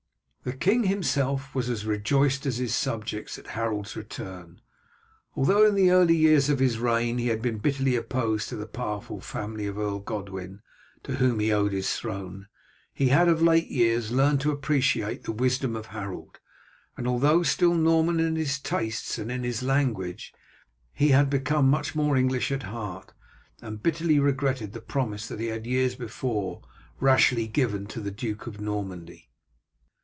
The king himself was as rejoiced as his subjects at Harold's return. Although in the early years of his reign he had been bitterly opposed to the powerful family of Earl Godwin, to whom he owed his throne, he had of late years learnt to appreciate the wisdom of Harold; and although still Norman in his tastes as in his language, he had become much more English at heart, and bitterly regretted the promise that he had years before rashly given to the Duke of Normandy.